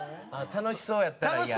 楽しそうやったらイヤ？